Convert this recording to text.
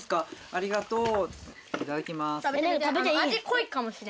ありがとう。